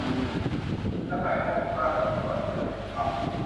ฉันต้องการข้อมูลมากกว่านี้ก่อนที่จะลงมือทำ